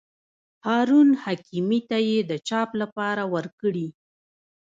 هارون حکیمي ته یې د چاپ لپاره ورکړي.